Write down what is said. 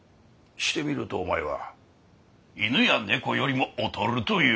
してみるとお前は犬や猫よりも劣るという事だ。